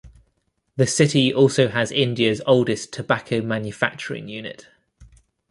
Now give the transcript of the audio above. The city also has India's oldest tobacco manufacturing unit.